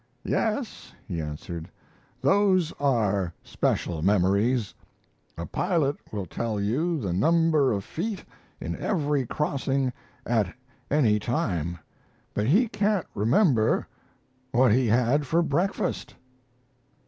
"Yes," he answered, "those are special memories; a pilot will tell you the number of feet in every crossing at any time, but he can't remember what he had for breakfast."